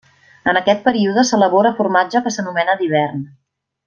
En aquest període s'elabora formatge que s'anomena d'hivern.